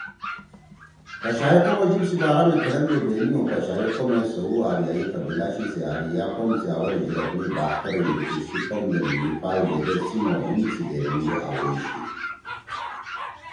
پشائی قوم او جیِب سی بارا می کھڑن دے بینی او پشائی قوم اے سؤُو آریائی قبیلہ چھی سے آریا قوم سی آول ہجرت می باختر او ہندوکش سی پندے میِپھا ییدے سندھ او ہند سی دھیریِن گے آویئی شی۔